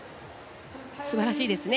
素晴らしいですね。